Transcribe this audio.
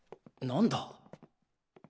何だ？